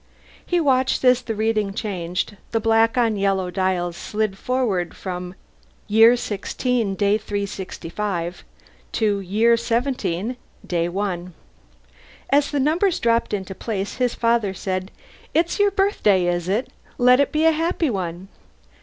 He watched as the reading changed. The black on yellow dials slid forward from Year 16 Day 365 to Year 17 Day 1. As the numbers dropped into place his father said, "It's your birthday, is it? Let it be a happy one!"